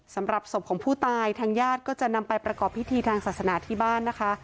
สำหรับศพของผู้ตายทางญาติก็จะนำไปประกอบพิธีทางศาสนาที่บ้านนะคะ